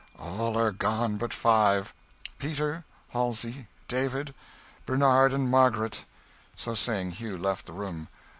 "All are gone but five Peter, Halsey, David, Bernard, and Margaret." So saying, Hugh left the room.